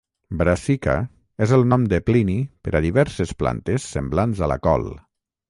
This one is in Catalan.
"Brassica" és el nom de Plini per a diverses plantes semblants a la col.